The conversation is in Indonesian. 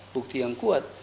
bukti yang kuat